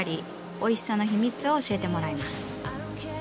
おいしさの秘密を教えてもらいます。